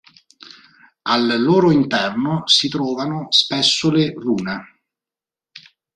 Al loro interno si trovano spesso le rune.